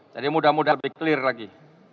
mudah mudahan lebih clear lagi